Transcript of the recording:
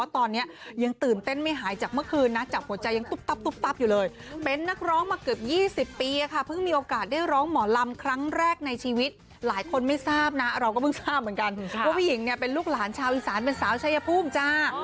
เพิ่งทราบเหมือนกันว่าผู้หญิงเนี่ยเป็นลูกหลานชาวอีสานเป็นสาวชายภูมิจ้า